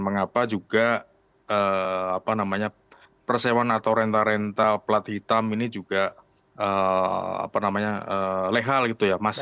mengapa juga persewan atau renta renta plat hitam ini juga lehal gitu ya mas